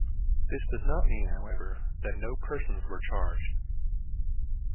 This does not mean, however that no persons were charged.